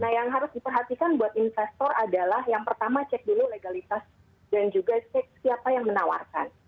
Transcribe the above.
nah yang harus diperhatikan buat investor adalah yang pertama cek dulu legalitas dan juga cek siapa yang menawarkan